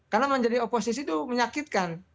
karena menjadi oposisi itu menyakitkan